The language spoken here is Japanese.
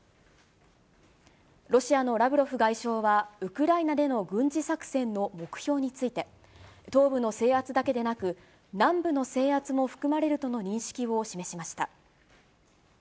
ロシアのラブロフ外相は、ウクライナでの軍事作戦の目標について、東部の制圧だけでなく、南部の制圧も含まれるとの認識を示しました。